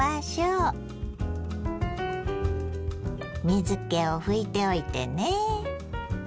水けを拭いておいてね。